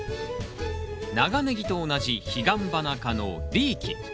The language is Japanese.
長ネギと同じヒガンバナ科のリーキ。